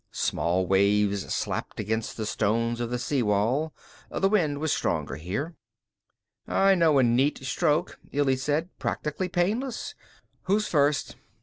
Small waves slapped against the stones of the sea wall. The wind was stronger here. "I know a neat stroke," Illy said. "Practically painless. Who's first?"